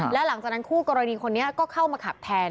แล้วหลังจากนั้นคู่กรณีคนนี้ก็เข้ามาขับแทน